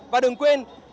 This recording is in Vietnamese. và đừng quên